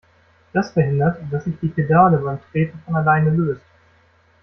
Das verhindert, dass sich die Pedale beim Treten von alleine löst.